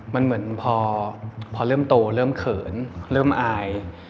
มันเหมือนพอเริ่มโตเริ่มเขินเริ่มอาย